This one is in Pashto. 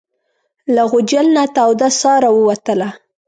له غوجل نه توده ساه راووتله.